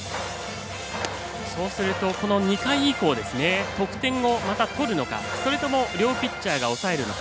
そうすると、この２回以降得点をまた取るのかそれとの両ピッチャーが抑えるのか。